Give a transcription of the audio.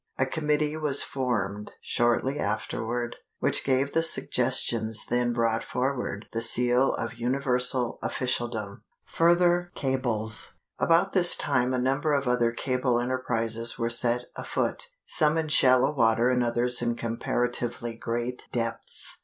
A committee was formed shortly afterward, which gave the suggestions then brought forward the seal of universal officialdom. Further Cables. About this time a number of other cable enterprises were set afoot, some in shallow water and others in comparatively great depths.